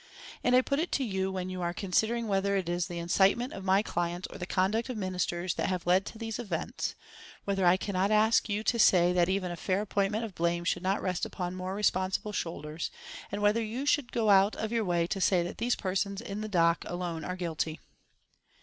And I put it to you when you are considering whether it is the incitement of my clients or the conduct of Ministers that have led to these events whether I cannot ask you to say that even a fair apportionment of blame should not rest upon more responsible shoulders, and whether you should go out of your way to say that these persons in the dock alone are guilty."